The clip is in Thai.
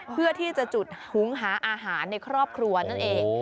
เพื่อที่จะจุดหุงหาอาหารในครอบครัวนั่นเอง